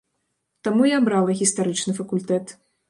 Таму і абрала гістарычны факультэт.